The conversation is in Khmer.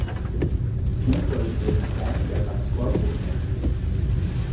ខ្ញុំក៏រីករាយណាស់ដែរ ដែលបានស្គាល់ពួកអ្នក ។